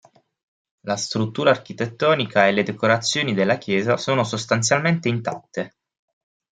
La struttura architettonica e le decorazioni della chiesa sono sostanzialmente intatte.